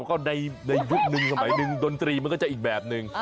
ก็ในยุคนึงสมัยหนึ่งดนตรีมันก็จะอีกแบบนึง